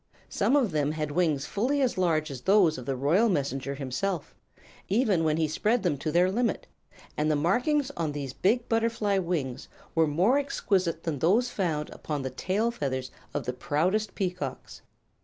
Some of them had wings fully as large as those of the Royal Messenger himself, even when he spread them to their limit, and the markings of these big butterfly wings were more exquisite than those found upon the tail feathers of the proudest peacocks.